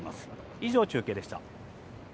以上、中継でした。